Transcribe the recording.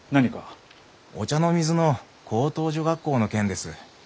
御茶ノ水の高等女学校の件です。